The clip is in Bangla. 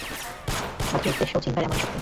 অকপটতা, সাধু উদ্দেশ্য ও চিন্তার এমনই শক্তি।